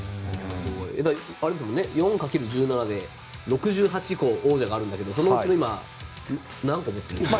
４掛ける１７で６８王者があるんだけど、そのうちの今、何個持ってるんですか？